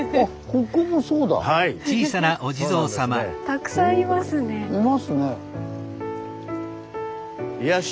たくさんいますね。